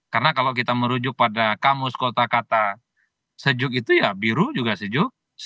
karena kalau kita merujuk pada kamus kota kata sejuk itu ya biru juga sejuk